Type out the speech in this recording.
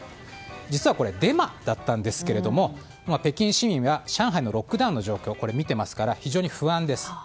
実は、これデマだったんですけども北京市民は上海のロックダウンの状況を見ていますから非常に不安です。